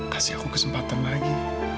kasih aku kesempatan lagi